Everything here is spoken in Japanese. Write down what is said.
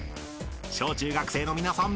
［小中学生の皆さん